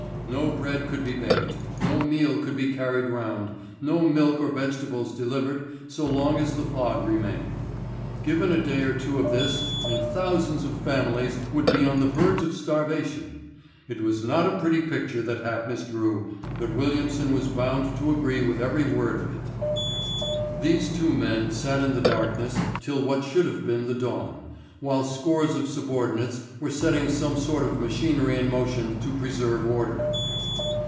No bread could be baked, no meal could be carried round, no milk or vegetables delivered so long as the fog remained. Given a day or two of this and thousands of families would be on the verge of starvation. It was not a pretty picture that Hackness drew, but Williamson was bound to agree with every word of it. These two men sat in the darkness till what should have been the dawn, whilst scores of subordinates were setting some sort of machinery in motion to preserve order.